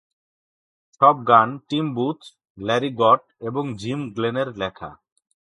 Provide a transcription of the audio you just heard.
সব গান Tim Booth, Larry Gott এবং জিম গ্লেনের লেখা।